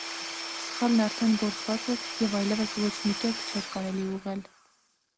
սխալն արդեն գործված էր և այլևս ոչ մի կերպ չէր կարելի ուղղել.